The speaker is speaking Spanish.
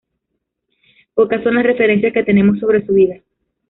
Pocas son las referencias que tenemos sobre su vida.